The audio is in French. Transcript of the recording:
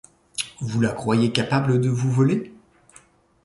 Vous la croyez capable de vous voler ?